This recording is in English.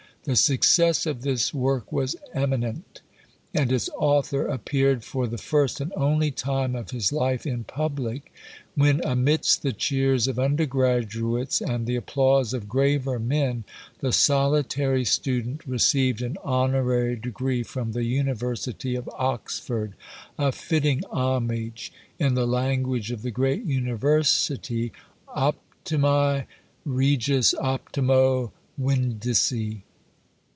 The success of this work was eminent; and its author appeared for the first and only time of his life in public, when amidst the cheers of under graduates, and the applause of graver men, the solitary student received an honorary degree from the University of Oxford, a fitting homage, in the language of the great University, "OPTIMI REGIS OPTIMO VINDICI."